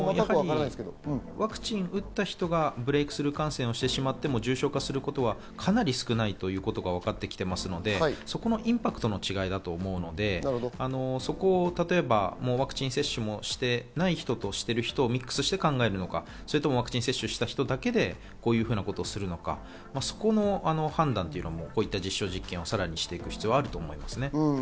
ワクチン打った人がブレイクスルー感染してしまっても重症化することはかなり少ないということが分かってきていますので、そこのインパクトの違いだと思うので、そこを例えばワクチン接種してない人としている人をミックスして考えるのか、接種した人だけでこういうことをするのか、そこの判断というのも、こういう実証実験をさらにしていく必要があると思います。